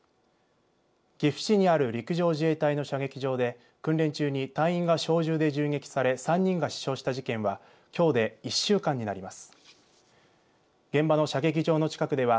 岐阜市にある陸上自衛隊の射撃場で訓練中に隊員が小銃で襲撃され３人が死傷した事件はきょうで１週間になります。